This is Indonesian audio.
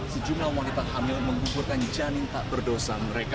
sejumlah wanita hamil menggugurkan janin tak berdosa mereka